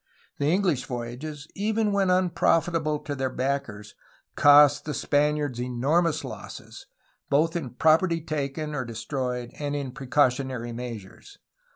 The English voyages, even when unprofitable to their backers, cost the Spaniards enormous losses, both in property taken or destroyed and in precautionary measures.